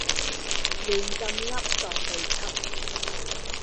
亂咁噏當秘笈